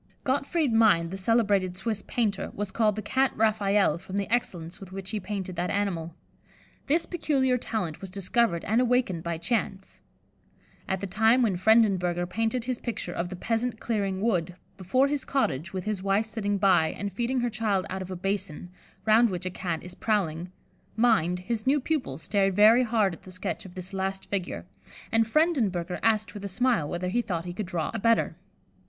'" Gottfried Mind, the celebrated Swiss painter, was called the "Cat Raphael," from the excellence with which he painted that animal. This peculiar talent was discovered and awakened by chance. At the time when Frendenberger painted his picture of the "Peasant Clearing Wood," before his cottage, with his wife sitting by, and feeding her child out of a basin, round which a Cat is prowling, Mind, his new pupil, stared very hard at the sketch of this last figure, and Frendenberger asked with a smile whether he thought he could draw a better.